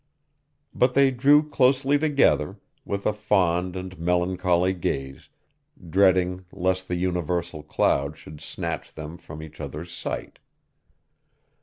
But they drew closely together, with a fond and melancholy gaze, dreading lest the universal cloud should snatch them from each other's sight.